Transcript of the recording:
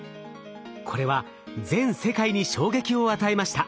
これは全世界に衝撃を与えました。